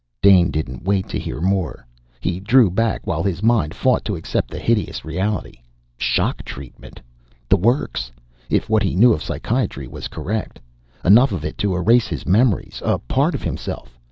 Dane didn't wait to hear more. He drew back, while his mind fought to accept the hideous reality. Shock treatment! The works, if what he knew of psychiatry was correct. Enough of it to erase his memories a part of himself.